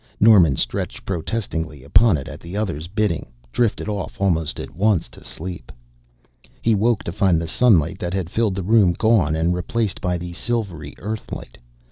Norman stretched protestingly upon it at the other's bidding, drifted off almost at once into sleep. He woke to find the sunlight that had filled the room gone and replaced by the silvery Earth light.